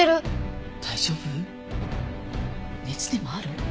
大丈夫？熱でもある？